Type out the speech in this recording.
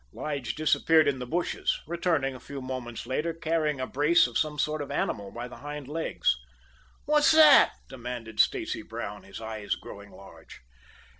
Lige disappeared in the bushes, returning a few moments later, carrying a brace of some sort of animal by the hind legs. "What's that?" demanded Stacy Brown, his eyes growing large.